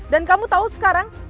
dan kamu tahu sekarang